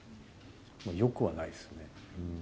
よくはないですね。